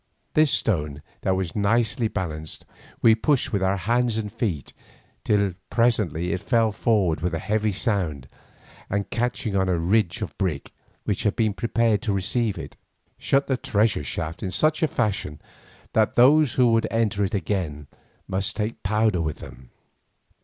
This stone, that was nicely balanced, we pushed with our hands and feet till presently it fell forward with a heavy sound, and catching on the ridge of brick which had been prepared to receive it, shut the treasure shaft in such a fashion that those who would enter it again must take powder with them.